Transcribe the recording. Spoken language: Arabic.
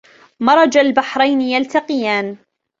مَرَجَ البَحرَينِ يَلتَقِيانِ